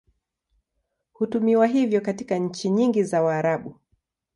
Hutumiwa hivyo katika nchi nyingi za Waarabu.